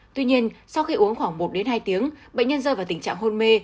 tuy nhiên sau khi uống khoảng một đến hai tiếng bệnh nhân rơi vào tình trạng hôn mê